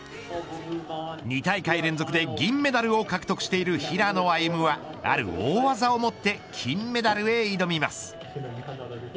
２大会連続で銀メダルを獲得している平野歩夢は、ある大技をもって金メダルへ挑みます。